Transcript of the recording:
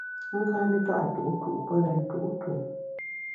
A ka mbi ka’ tu’tu’ pe rèn tu’tu’.